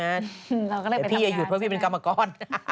เราก็เลยไปทำงานแต่พี่อย่าหยุดเพราะพี่เป็นกรรมกร